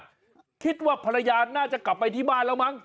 ก็คิดว่าภรรยาน่าจะกลับไปที่บ้านแล้วมั้ง